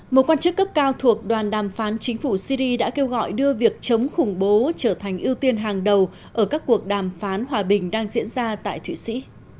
một quan chức cấp cao thuộc đoàn đàm phán chính phủ syri đã kêu gọi đưa việc chống khủng bố trở thành ưu tiên hàng đầu ở các cuộc đàm phán hòa bình đang diễn ra tại thụy sĩ